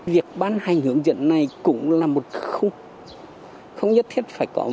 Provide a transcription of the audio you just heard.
việc ban hành hướng dẫn này cũng là một khung không nhất thiết phải có